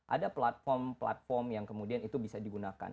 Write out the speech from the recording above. ada platform platform yang kemudian itu bisa digunakan